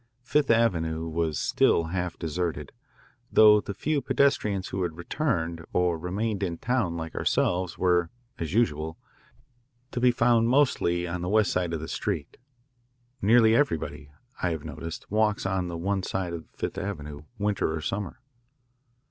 Fifth Avenue was still half deserted, though the few pedestrians who had returned or remained in town like ourselves were, as usual, to be found mostly on the west side of the street. Nearly everybody, I have noticed, walks on the one side of Fifth Avenue, winter or summer.